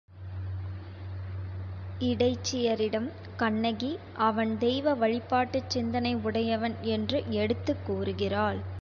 இடைச்சியரிடம் கண்ணகி அவன் தெய்வ வழிபாட்டுச் சிந்தனை உடையவன் என்று எடுத்துக் கூறுகிறாள்.